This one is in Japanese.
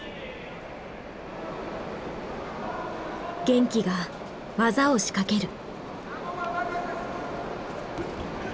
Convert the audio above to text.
玄暉が技を仕掛ける。